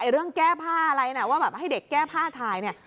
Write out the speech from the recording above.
เรื่องแก้ผ้าอะไรนะว่าแบบให้เด็กแก้ผ้าถ่ายเนี่ย